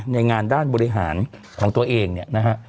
ในงานด้านบริหารของตัวเองเนี่ยนะฮะ